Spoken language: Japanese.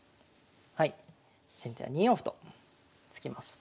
はい先手は２四歩と突きます。